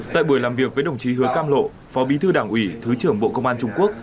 tại buổi làm việc với đồng chí hứa cam lộ phó bí thư đảng ủy thứ trưởng bộ công an trung quốc